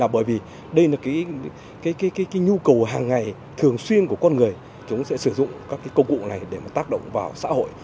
bởi vì đây là cái nhu cầu hàng ngày thường xuyên của con người chúng sẽ sử dụng các công cụ này để tác động vào xã hội